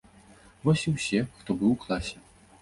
Вось і ўсе, хто быў у класе.